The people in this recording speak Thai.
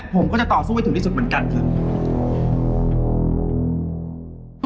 ผมก็จะต่อสู้ให้ถึงที่สุดเหมือนกันคือ